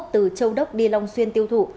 từ châu đốc đi long xuyên tiêu thụ